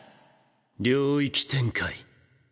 領域展開